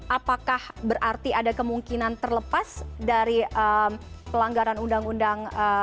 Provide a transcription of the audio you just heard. apakah berarti ada kemungkinan terlepas dari pelanggaran undang undang